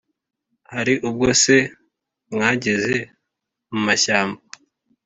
hari ubwo se mwageze mu mashyamba